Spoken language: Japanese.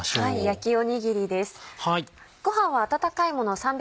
焼きおにぎりです。